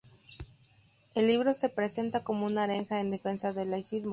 El libro se presenta como una arenga en defensa del laicismo.